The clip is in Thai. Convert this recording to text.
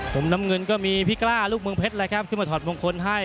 มุมน้ำเงินก็มีพี่กล้าลูกเมืองเพชรเลยครับขึ้นมาถอดมงคลให้